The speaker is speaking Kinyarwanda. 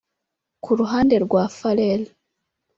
Ku ruhande rwa Pharrell